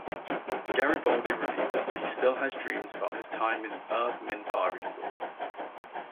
Garibaldi reveals that he still has dreams about his time in the Earth-Minbari War.